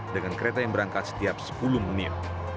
dengan kereta yang berangkat setiap sepuluh menit